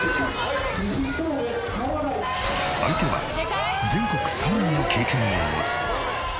相手は全国３位の経験を持つ。